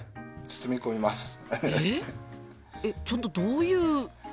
ちょっとどういう。